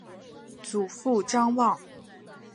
祖父张旺。